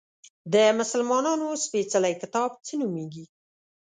د مسلمانانو سپیڅلی کتاب څه نومیږي؟